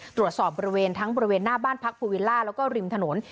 ตรวจสอบบริเวณทั้งบริเวณหน้าบ้านพักภูวิลล่าแล้วก็ริมถนน